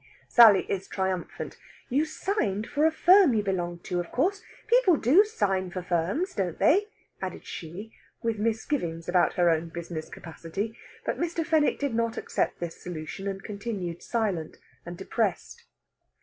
Sally is triumphant. "You signed for a firm you belonged to, of course. People do sign for firms, don't they?" added she, with misgivings about her own business capacity. But Mr. Fenwick did not accept this solution, and continued silent and depressed.